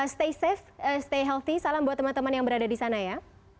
stay safe stay healthy salam buat teman teman yang berada di sana ya